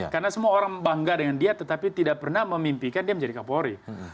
karena semua orang bangga dengan dia tetapi tidak pernah memimpikan dia menjadi kapolri